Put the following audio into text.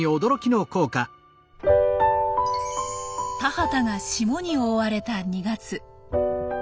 田畑が霜に覆われた２月。